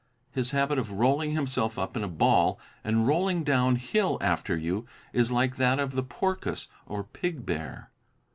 His habit of rolling himself up in a ball and rolling down hill after you is like that of the porcus or pig bear.